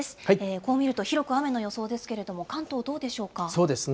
こう見ると広く雨の予想ですけれども、関東、そうですね。